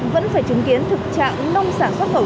vẫn phải chứng kiến thực trạng nông sản xuất khẩu